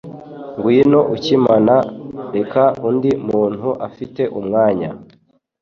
Ngwino akimana, reka undi muntu afite umwanya.